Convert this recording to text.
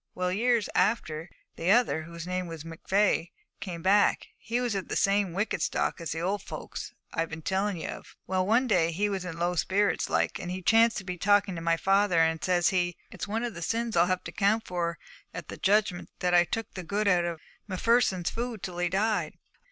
Well, years after, the other, whose name was McVey, came back. He was of the same wicked stock as the old folks I've been telling ye of. Well, one day, he was in low spirits like, and he chanced to be talking to my father, and says he, "It's one of the sins I'll have to 'count for at the Judgment that I took the good out of M'Pherson's food till he died.